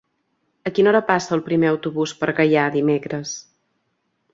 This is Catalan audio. A quina hora passa el primer autobús per Gaià dimecres?